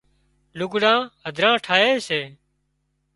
لُگھڙان هڌران ٺاهي سي